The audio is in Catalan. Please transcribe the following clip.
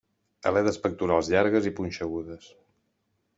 Aletes pectorals llargues i punxegudes.